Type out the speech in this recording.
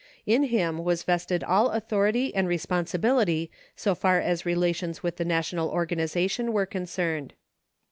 In him was vested all authority and responsibility so far as relations with the national organization were concerned.